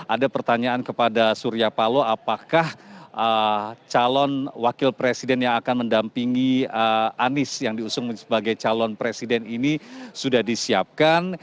ada pertanyaan kepada surya paloh apakah calon wakil presiden yang akan mendampingi anies yang diusung sebagai calon presiden ini sudah disiapkan